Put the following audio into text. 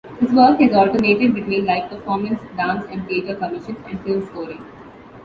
His work has alternated between live performance, dance and theater commissions, and film scoring.